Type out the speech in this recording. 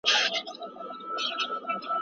ایا په دې پوهنتون کي ازادي سته؟